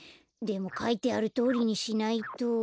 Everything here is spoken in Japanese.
でもかいてあるとおりにしないと。